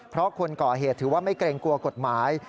เพราะคนก่อเหตุถือว่าไม่เกรงกลัวกฎหมาย